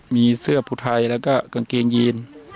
มีเสื้อผุไทยแล้วก็กางเกงยีน